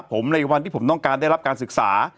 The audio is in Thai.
ผมในวันที่ผมต้องการได้รับการศึกษา